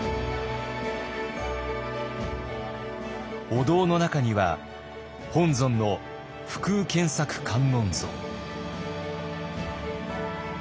お堂の中には本尊の不空羂索観音像。